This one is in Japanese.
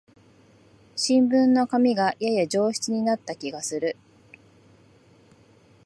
新聞の紙がやや上質になった気がする